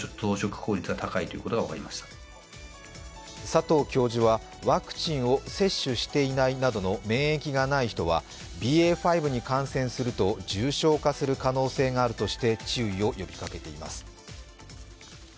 佐藤教授は、ワクチンを接種していないなどの免疫がない人はＢＡ．５に感染すると重症化する可能性があるとして注意を呼びかけています。